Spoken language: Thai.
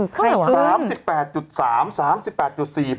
อ๋อไข้ขึ้น